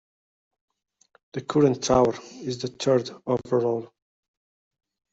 The current tower is the third overall.